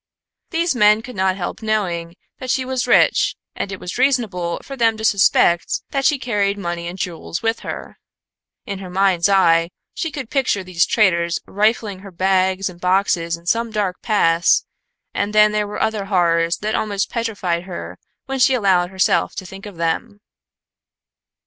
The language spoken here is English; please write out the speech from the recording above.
These men could not help knowing that she was rich, and it was reasonable for them to suspect that she carried money and jewels with her. In her mind's eye she could picture these traitors rifling her bags and boxes in some dark pass, and then there were other horrors that almost petrified her when she allowed herself to think of them.